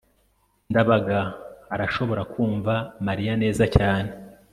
ndabaga arashobora kumva mariya neza cyane